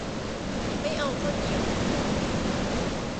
ไม่เอาข้าวเหนียว